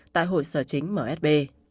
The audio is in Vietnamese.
tại hội sở chính msb